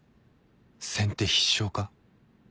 先手必勝か？